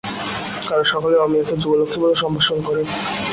তারা সকলেই অমিয়াকে যুগলক্ষ্মী বলে সম্ভাষণ করে।